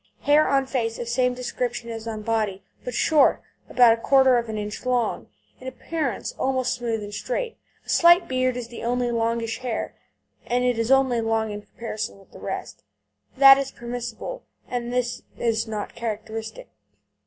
Hair on face of same description as on body, but short (about a quarter of an inch long), in appearance almost smooth and straight; a slight beard is the only longish hair (and it is only long in comparison with the rest) that is permissible, and this is characteristic.